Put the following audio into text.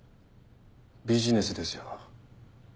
ビジネスですよ。